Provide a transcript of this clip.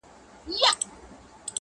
o دا کيسه د انساني درد يوه اوږده نښه ده,